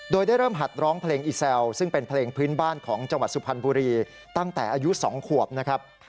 โดยได้เริ่มหัดร้องเพลงอีแซวซึ่งเป็นเพลงพื้นบ้านของจังหวัดสุพรรณบุรีตั้งแต่อายุ๒ขวบนะครับ